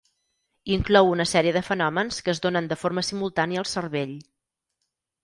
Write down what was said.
Inclou una sèrie de fenòmens que es donen de forma simultània al cervell.